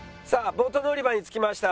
ボート乗り場に着きました。